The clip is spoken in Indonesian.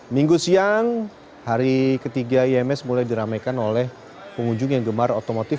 minggu siang hari ketiga ims mulai diramaikan oleh pengunjung yang gemar otomotif